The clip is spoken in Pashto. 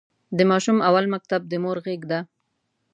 د ماشوم اول مکتب د مور غېږ ده.